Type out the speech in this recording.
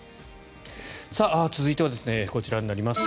続いては、こちらになります。